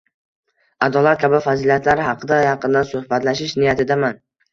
adolat kabi fazilatlar haqida yaqindan suhbatlashish niyatidaman.